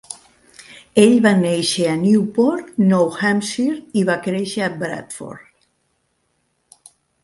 Ell va néixer a Newport, Nou Hampshire, i va créixer a Bradford.